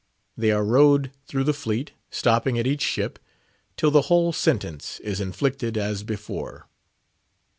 They are rowed through the fleet, stopping at each ship, till the whole sentence is inflicted, as before.